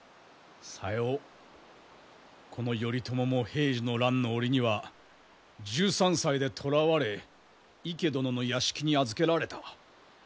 さようこの頼朝も平治の乱の折には１３歳で捕らわれ池殿の屋敷に預けられた。